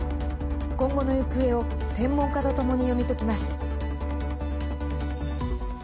今後の行方を専門家とともに読み解きます。